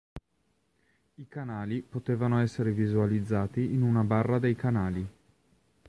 I canali potevano essere visualizzati in una barra dei canali.